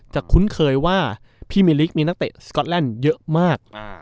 คุ้นเคยว่าพี่มิลิกมีนักเตะสก๊อตแลนด์เยอะมาก